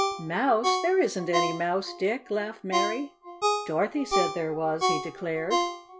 "Mouse? There isn't any mouse, Dick!" laughed Mary. "Dorothy said there was," he declared.